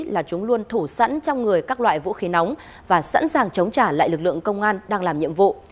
là chúng luôn thủ sẵn trong người các loại vũ khí nóng và sẵn sàng chống trả lại lực lượng công an đang làm nhiệm vụ